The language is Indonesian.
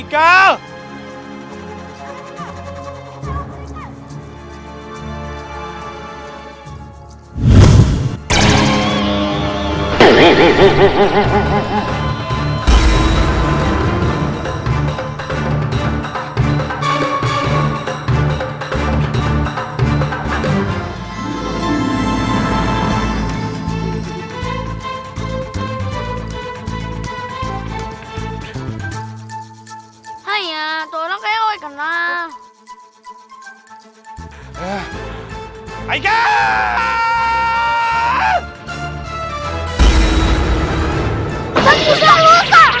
sampai jumpa di video selanjutnya